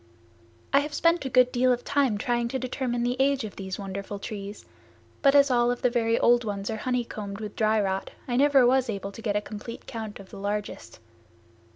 I have spent a good deal of time trying to determine the age of these wonderful trees, but as all of the very old ones are honey combed with dry rot I never was able to get a complete count of the largest.